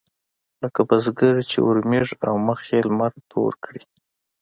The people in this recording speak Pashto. لکه بزګر چې اورمېږ او مخ يې لمر تور کړي.